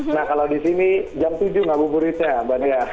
nah kalau di sini jam tujuh ngabuburitnya mbak dea